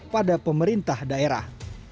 pada pemerintah daerah